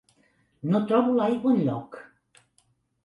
No trobo l'aigua enlloc.